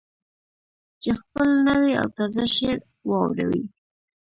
چې خپل نوی او تازه شعر واوروي.